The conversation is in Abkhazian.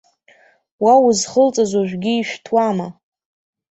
Уа узхылҵыз ожәгьы ишәҭуама?